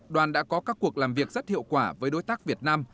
đoàn đã có các cuộc làm việc rất hiệu quả với đối tác việt nam